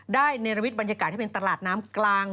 ได้ในระวิตบรรยากาศที่เป็นตลาดน้ำกลาง